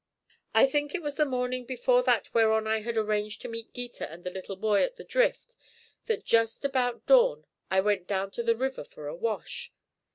I think it was the morning before that whereon I had arranged to meet Gita and the little boy at the drift that just about dawn I went down to the river for a wash.